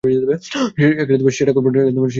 সেটা করব না।